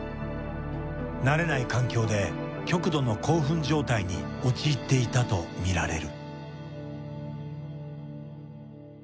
慣れない環境で極度の興奮状態に陥っていたとみられる。